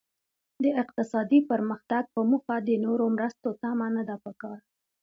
د اقتصادي پرمختګ په موخه د نورو مرستو تمه نده پکار.